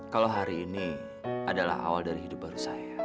kalau hari ini adalah awal dari hidup baru saya